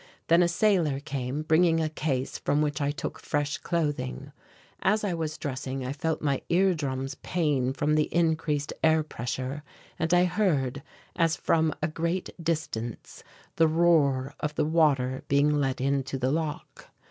Then a sailor came, bringing a case from which I took fresh clothing. As I was dressing I felt my ear drums pain from the increased air pressure, and I heard, as from a great distance, the roar of the water being let into the lock.